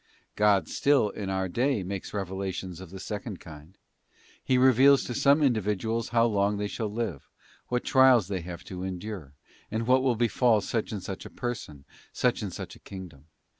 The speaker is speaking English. God still in our day makes revelations of the second kind. He reveals to some individuals how long they shall live, what trials they have to endure, or what will befall such and such a person, such or such a kingdom.